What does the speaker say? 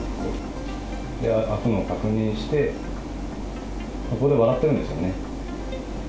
で、開くのを確認して、ここで笑ってるんですよね。